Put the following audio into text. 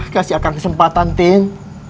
kasih akan kesempatan tin